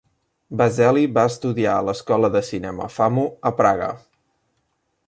Bazelli va estudiar a l'Escola de Cinema Famu a Praga.